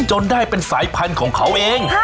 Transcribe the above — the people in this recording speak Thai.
จนได้เป็นสายพันธุ์ของเขาเอง